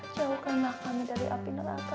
jauhkanlah kami dari api neraka